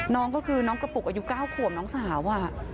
น้องก็คือน้องกระปุกอายุ๙ขวบน้องสาว